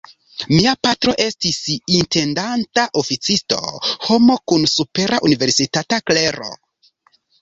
Mia patro estis intendanta oficisto, homo kun supera universitata klero.